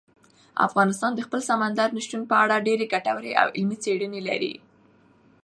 افغانستان د خپل سمندر نه شتون په اړه ډېرې ګټورې او علمي څېړنې لري.